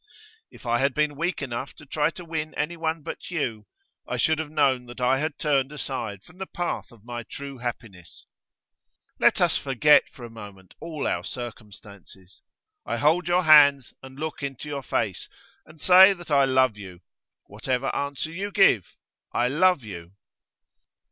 If I had been weak enough to try to win anyone but you, I should have known that I had turned aside from the path of my true happiness. Let us forget for a moment all our circumstances. I hold your hands, and look into your face, and say that I love you. Whatever answer you give, I love you!